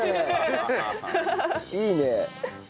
いいねえ。